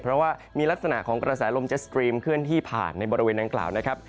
เพราะว่ามีลักษณะของกระแสลมเจสตรีมเคลื่อนที่ผ่านในบริเวณดังกล่าวนะครับ